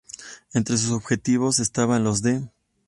Entre sus objetivos, estaban los de